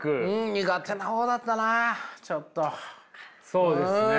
そうですね。